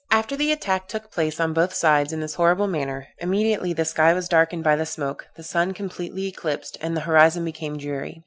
"After the attack took place on both sides in this horrible manner, immediately the sky was darkened by the smoke, the sun completely eclipsed, and the horizon became dreary.